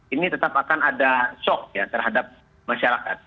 ini tetap akan ada shock ya terhadap masyarakat